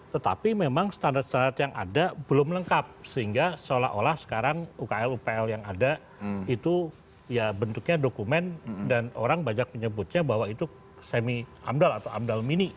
tetapi memang standar standar yang ada belum lengkap sehingga seolah olah sekarang ukl upl yang ada itu ya bentuknya dokumen dan orang banyak menyebutnya bahwa itu semi amdal atau amdal mini